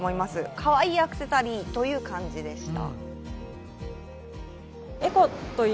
かわいいアクセサリーという感じでした。